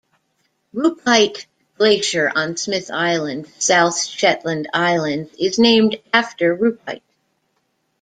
Rupite Glacier on Smith Island, South Shetland Islands is named after Rupite.